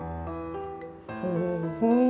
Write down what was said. お！